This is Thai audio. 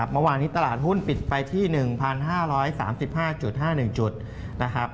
เมื่อวานนี้ตลาดหุ้นปิดไปที่๑๕๓๕๕๑จุดนะครับ